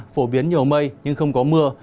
phổ biến nhiều mây nhưng không có mưa